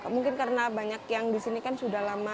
mungkin karena banyak yang disini kan sudah lama